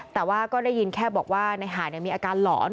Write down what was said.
แต่ว่าก็ได้ยินแค่บอกว่าในหาดมีอาการหลอน